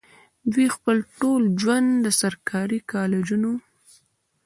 دوي خپل ټول ژوند د سرکاري کالجونو